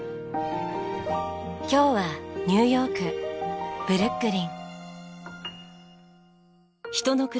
今日はニューヨークブルックリン。